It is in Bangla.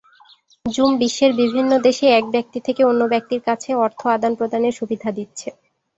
জুম বিশ্বের বিভিন্ন দেশে এক ব্যক্তি থেকে অন্য ব্যক্তির কাছে অর্থ আদান-প্রদানের সুবিধা দিচ্ছে।